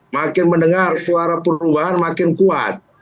makin mendengar suara perubahan makin kuat